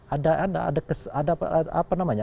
ada ada ada kes ada apa namanya